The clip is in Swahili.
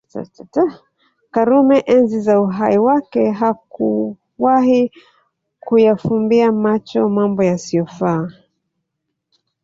karume enzi za uhai wake hakuwahi kuyafumbia macho Mambo yasiofaa